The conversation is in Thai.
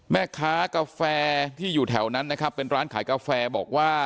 แม่ค้ากาแฟที่อยู่แถวนั้นนะครับเป็นร้านขายกาแฟบอกว่า